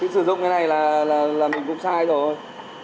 sử dụng cái này là mình cũng sai rồi